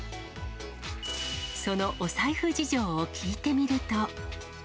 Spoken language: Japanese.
そのお財布事情を聞いてみると。